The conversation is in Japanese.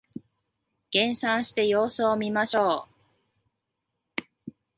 減産して様子を見ましょう